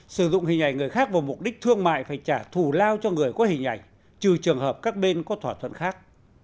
sử dụng hình ảnh người khác vào mục đích thương mại phải trả thù lao cho người có hình ảnh trừ trường hợp các bên có thỏa thuận khác